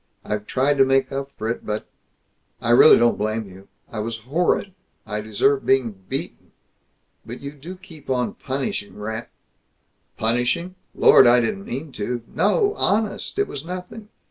I've tried to make up for it, but I really don't blame you. I was horrid. I deserve being beaten. But you do keep on punishing ra " "Punishing? Lord, I didn't mean to! No! Honest! It was nothing.